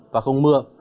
và không mưa